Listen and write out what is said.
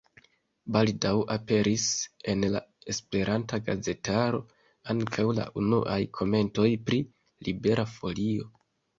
Baldaŭ aperis en la esperanta gazetaro ankaŭ la unuaj komentoj pri Libera Folio.